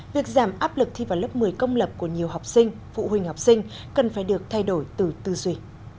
việc giảm áp lực thi vào lớp một mươi công lập của nhiều học sinh phụ huynh học sinh cần phải được thay đổi từ tư duy